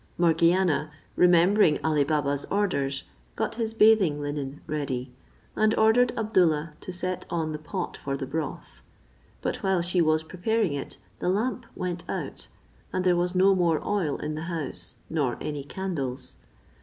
Morgiana, remembering Ali Baba's orders, got his bathing linen ready, and ordered Abdoollah to set on the pot for the broth; but while she was preparing it, the lamp went out, and there was no more oil in the house, nor any candles.